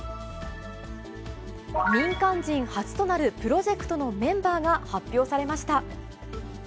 民間人初となるプロジェクトのメンバーが発表されました。